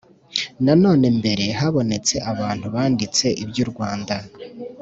nanone mbere habonetse abantu banditse iby’u rwanda,